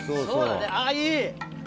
あぁいい！